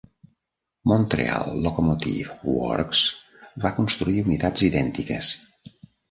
Montreal Locomotive Works va construir unitats idèntiques.